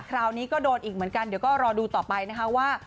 คราวนี้ก็โดนอีกเหมือนกันเดี๋ยวก็รอดูต่อไปนะคะว่า